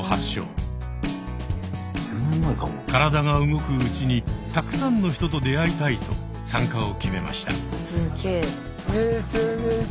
体が動くうちにたくさんの人と出会いたいと参加を決めました。